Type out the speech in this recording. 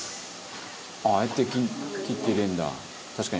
「ああやって切って入れるんだ」